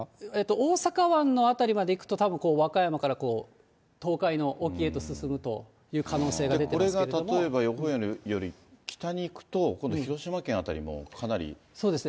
大阪湾の辺りまで行くとたぶん和歌山から東海の沖へと進むとこれが例えば、予報円より北に行くと、今度広島県辺りもかなり雨降りますね。